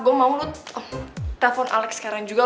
gue mau lu telepon alex sekarang juga